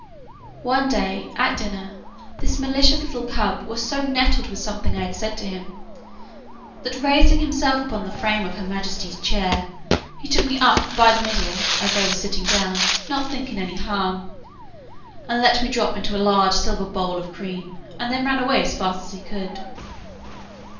One day, at dinner, this malicious little cub was so nettled with something I had said to him, that, raising himself upon the frame of her majesty's chair, he took me up by the middle, as I was sitting down, not thinking any harm, and let me drop into a large silver bowl of cream, and then ran away as fast as he could.